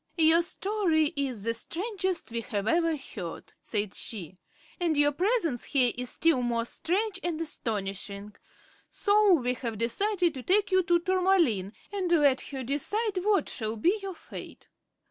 "Your story is the strangest we have ever heard," said she; "and your presence here is still more strange and astonishing. So we have decided to take you to Tourmaline and let her decide what shall be your fate."